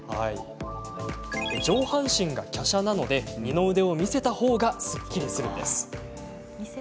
上半身がきゃしゃなので二の腕を見せたほうがすっきりするんです。